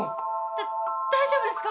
だ大丈夫ですか？